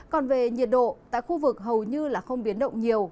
còn về nhiệt độ tại khu vực hầu như là không biến động nhiều